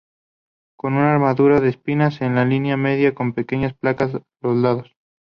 Con una armadura de espinas en la línea media con pequeñas placas los lados.